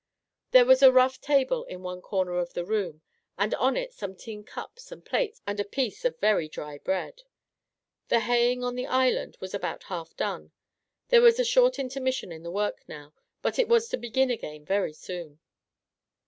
There was a rough table in one corner of the room, and on it some tin cups and plates and a piece of very dry bread. The haying on the island was about half done ; there was a short inter mission in the work now, but it was to begin again very soon.